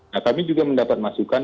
nah kami juga mendapat masukan